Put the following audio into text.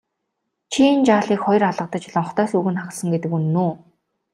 Чи энэ жаалыг хоёр алгадаж лонхтой сүүг нь хагалсан гэдэг үнэн үү?